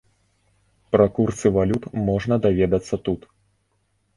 Пра курсы валют можна даведацца тут.